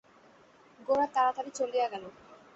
গোরা তাড়াতাড়ি চলিয়া গেল।